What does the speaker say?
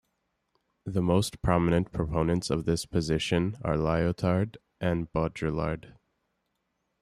The most prominent proponents of this position are Lyotard and Baudrillard.